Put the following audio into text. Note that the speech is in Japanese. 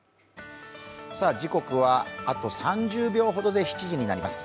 時刻はあと３０秒ほどで７時になります。